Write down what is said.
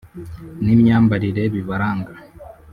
n’imyambarire bibaranga